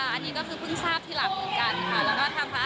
อันนี้ก็คือเพิ่งทราบทีหลังเหมือนกันค่ะ